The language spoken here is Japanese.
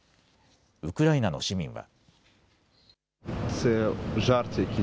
ウクライナの市民は。